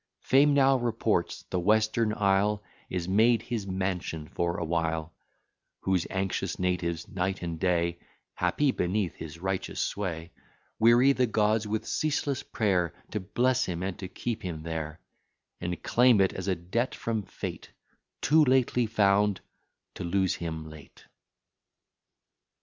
Fame now reports, the Western isle Is made his mansion for a while, Whose anxious natives, night and day, (Happy beneath his righteous sway,) Weary the gods with ceaseless prayer, To bless him, and to keep him there; And claim it as a debt from Fate, Too lately found, to lose him late.